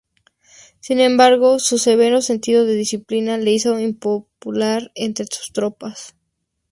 Sin embargo, su severo sentido de disciplina le hizo impopular entre sus tropas.